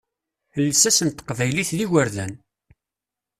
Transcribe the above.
Lsas n teqbaylit d igerdan.